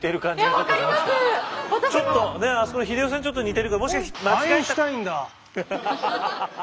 ちょっとねあそこの英世さんにちょっと似てるからもしかして。